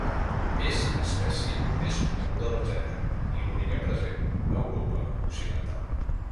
És l'espècie més coneguda del gènere, i l'única present a Europa Occidental.